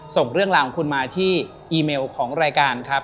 ส่งเรื่องราวของคุณมาที่อีเมลของรายการครับ